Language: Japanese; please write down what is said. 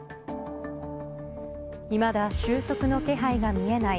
いまだ収束の気配が見えない